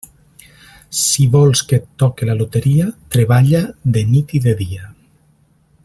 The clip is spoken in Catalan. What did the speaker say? Si vols que et toque la loteria, treballa de nit i de dia.